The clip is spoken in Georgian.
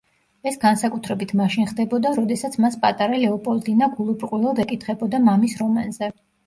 ეს განსაკუთრებით მაშინ ხდებოდა, როდესაც მას პატარა ლეოპოლდინა გულუბრყვილოდ ეკითხებოდა მამის რომანზე.